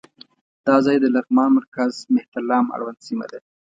دا ځای د لغمان مرکز مهترلام اړوند سیمه ده.